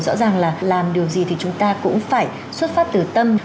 rõ ràng là làm điều gì thì chúng ta cũng phải xuất phát từ tâm